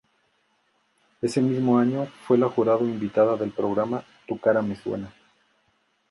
Ese mismo año fue la jurado invitada del programa "Tu cara me suena".